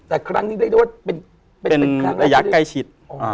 แต่ครั้งนี้ได้ได้ว่าเป็นระยะใกล้ชิด